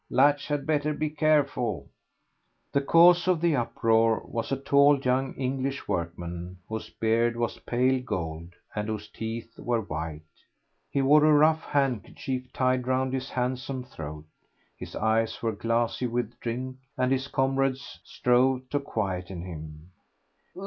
Latch had better be careful." The cause of the uproar was a tall young English workman, whose beard was pale gold, and whose teeth were white. He wore a rough handkerchief tied round his handsome throat. His eyes were glassy with drink, and his comrades strove to quieten him.